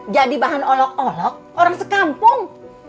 jadi bahan olok olok orang sekampung